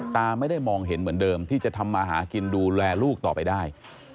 ตาไม่ได้มองเห็นเหมือนเดิมที่จะทำมาหากินดูแลลูกต่อไปได้